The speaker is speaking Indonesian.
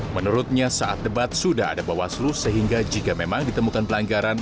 menurutnya saat debat sudah ada bawaslu sehingga jika memang ditemukan pelanggaran